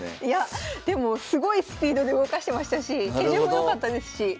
いやでもすごいスピードで動かしてましたし手順も良かったですし。